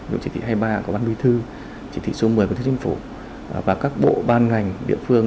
như chỉ thị hai mươi ba của bán vi thư chỉ thị số một mươi của chính phủ và các bộ ban ngành địa phương